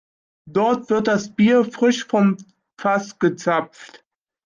Dort wird das Bier frisch vom Fass gezapft.